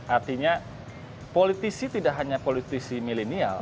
artinya politisi tidak hanya politisi milenial